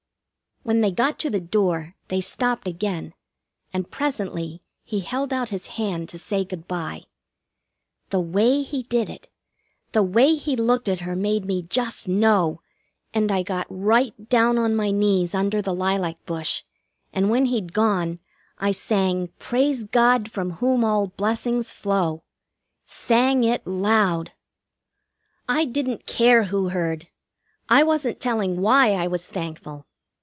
When they got to the door they stopped again, and presently he held out his hand to say good bye. The way he did it, the way he looked at her made me just know, and I got right down on my knees under the lilac bush, and when he'd gone I sang, "Praise God, from whom all blessings flow." Sang it loud. I didn't care who heard. I wasn't telling why I was thankful.